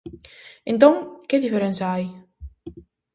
Entón, que diferenza hai?